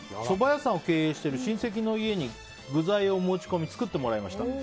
そば屋さんを経営している親戚の家に具材を持ち込み作ってもらいました。